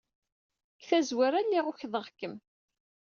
Deg tazwara, lliɣ ukḍeɣ-kem.